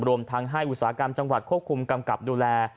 รวมทั้งให้อุตสาหกรรมจังหวัดควบคุมกำกับดูแล